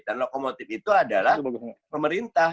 dan lokomotif itu adalah pemerintah